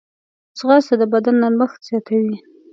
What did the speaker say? ځغاسته د بدن نرمښت زیاتوي